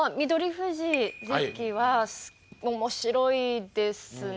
富士関は面白いですね。